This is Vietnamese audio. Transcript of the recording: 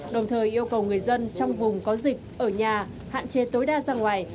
đồng thời yêu cầu người dân trong vùng có dịch ở nhà hạn chế tối đa ra ngoài